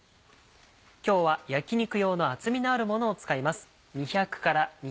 今日は焼き肉用の厚みのあるものを使います。